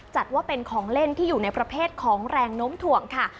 จัดว่าเป็นของเล่นที่อยู่ในประเภทของแรงโน้มถ่วงค่ะ